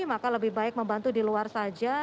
maka lebih baik membantu di luar saja